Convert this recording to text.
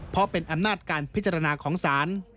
เพราะเป็นอำนาจการพิจารณาของศาล